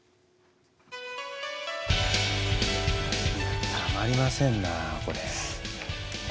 いやたまりませんなこれ。